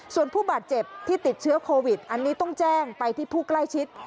ส่วนผู้บาดเจ็บที่ติดเชื้อโควิดอันนี้ต้องแจ้งไปที่ผู้ใกล้ชิด